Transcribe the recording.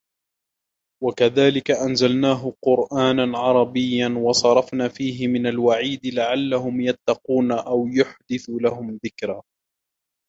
وكذلك أنزلناه قرآنا عربيا وصرفنا فيه من الوعيد لعلهم يتقون أو يحدث لهم ذكرا